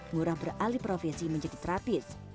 murah beralih profesi menjadi terapis